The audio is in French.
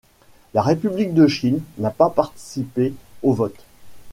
La République de Chine n'a pas participé au vote.